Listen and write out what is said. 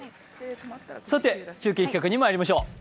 さて中継企画にまいりましょう。